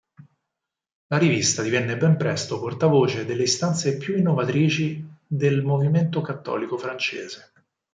La rivista divenne ben presto portavoce delle istanze più innovatrici del movimento cattolico francese.